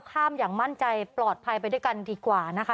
อย่างมั่นใจปลอดภัยไปด้วยกันดีกว่านะคะ